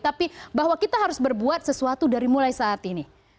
tapi bahwa kita harus berbuat sesuatu dari mulai saat ini